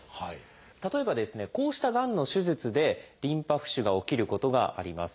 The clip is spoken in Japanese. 例えばこうしたがんの手術でリンパ浮腫が起きることがあります。